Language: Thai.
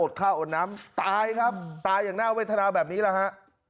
ข้าวอดน้ำตายครับตายอย่างน่าเวทนาแบบนี้แหละฮะ